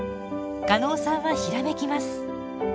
加納さんはひらめきます。